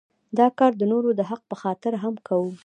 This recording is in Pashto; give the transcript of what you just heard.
دا کار د نورو د حق په خاطر هم کوو.